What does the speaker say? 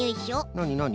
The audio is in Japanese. なになに？